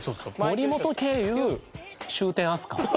森本経由終点飛鳥？